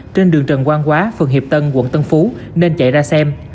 trên đường trần quang quá phường hiệp tân quận tân phú nên chạy ra xem